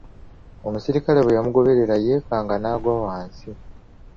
Omuserikale bwe yamuboggolera yeekanga n'agwa wansi.